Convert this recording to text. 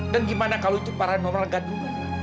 dan gimana kalau itu paranormal gaduh ma